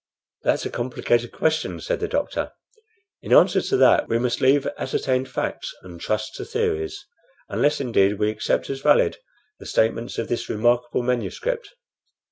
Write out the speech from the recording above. "That's a complicated question," said the doctor. "In answer to that we must leave ascertained facts and trust to theories, unless, indeed, we accept as valid the statements of this remarkable manuscript.